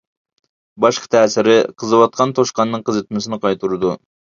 باشقا تەسىرى: قىزىۋاتقان توشقاننىڭ قىزىتمىسىنى قايتۇرىدۇ.